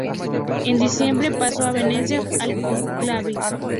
En Diciembre pasó a Venecia al cónclave.